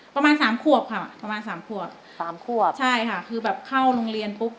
ประมาณสามขวบค่ะประมาณสามขวบสามขวบใช่ค่ะคือแบบเข้าโรงเรียนปุ๊บ